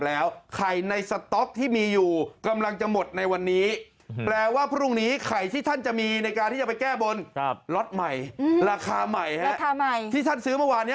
ราคาใหม่ที่ฉันซื้อเมื่อวานนี้